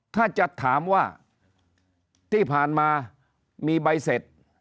ถ้าจะถามว่าที่ผ่านมามีใบเสร็จ